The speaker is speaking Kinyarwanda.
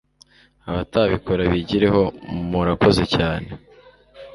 abatabikora bigireho morakoze cyane.